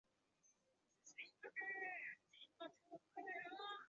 北宋改名为左右司谏。